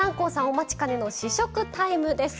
お待ちかねの試食タイムです。